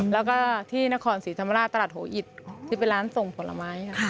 แล้วก็ที่นครศรีธรรมราชตลาดหัวอิตที่เป็นร้านส่งผลไม้ค่ะ